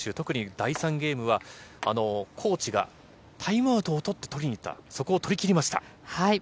第３ゲームは、コーチがタイムアウトを取って取りにいった、そこに取りきりました。